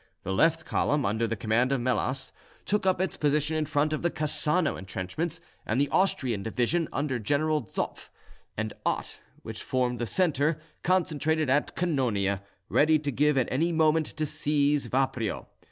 The left column, under the command of Melas, took up its position in front of the Cassano entrenchments; and the Austrian division, under Generals Zopf and Ott, which formed the centre, concentrated at Canonia, ready at a given moment to seize Vaprio.